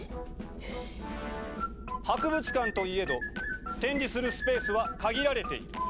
博物館といえど展示するスペースは限られている。